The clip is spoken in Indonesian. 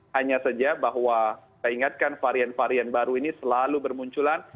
hanya saja bahwa kita ingatkan varian varian baru ini selalu bermunculan